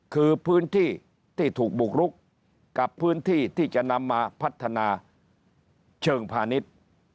คือพื้นที่ที่ถูกบุกรุกกับพื้นที่ที่จะนำมาพัฒนาเชิงพาณิชย์